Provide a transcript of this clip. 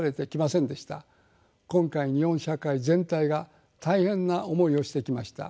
今回日本社会全体が大変な思いをしてきました。